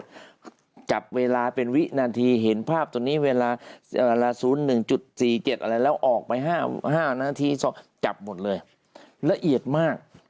จริงที่ปรากฏจับเวลาเป็นวินาทีเห็นภาพตรงนี้เวลา๐๑๔๗แล้วออกไป๕นาทีจับหมดเลยละเอียดมาก